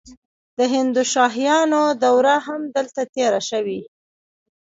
د هندوشاهیانو دوره هم دلته تیره شوې